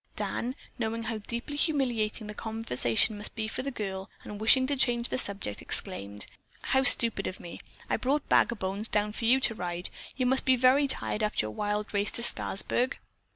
Dan, knowing how deeply humiliating the conversation must be for the girl and wishing to change the subject, exclaimed: "How stupid of me! I brought Bag o' Bones down for you to ride. You must be very tired after your wild race to Scarsburg."